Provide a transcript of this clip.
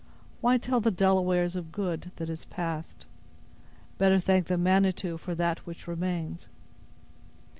Why tell the Delawares of good that is past? Better thank the Manitou for that which remains."